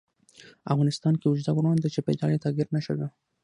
افغانستان کې اوږده غرونه د چاپېریال د تغیر نښه ده.